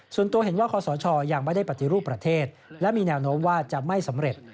ส่วนตัวเห็นว่าคอสชยังไม่ได้ปฏิรูปประเทศและมีแนวโน้มว่าจะไม่สำเร็จ